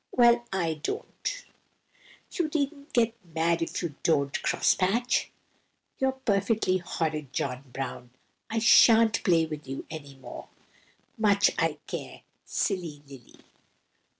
"Well, I don't." "You needn't get mad if you don't. Cross patch!" "You're perfectly horrid, John Brown; I sha'n't play with you any more." "Much I care, silly Lily!"